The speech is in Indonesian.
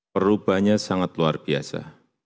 perubahnya sangat luar biasa